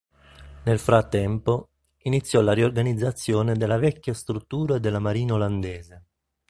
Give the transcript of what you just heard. Nel frattempo, iniziò la riorganizzazione della vecchia struttura della marina olandese.